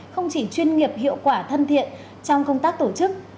không chỉ chuyên nghiệp hiệu quả thân thiện trong công tác tổ chức